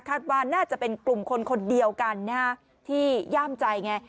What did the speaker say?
ว่าน่าจะเป็นกลุ่มคนคนเดียวกันที่ย่ามใจไง